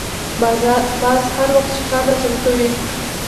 باز هر وخت ښکار ته چمتو وي